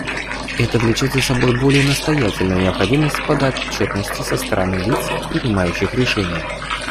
Это влечет за собой более настоятельную необходимость подотчетности со стороны лиц, принимающих решения.